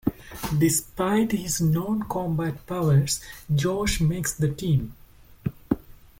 Despite his non-combat powers, Josh makes the team.